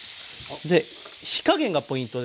で火加減がポイントです。